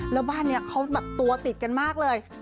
แล้วบ้านนี้เขาแบบตัวติดกันมากเลย